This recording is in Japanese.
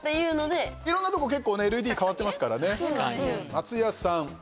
松也さん。